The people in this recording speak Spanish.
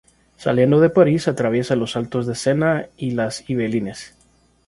Saliendo de París atraviesa los Altos del Sena y las Yvelines.